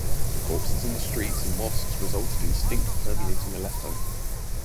The corpses in the streets and mosques resulted in stink permeating Aleppo.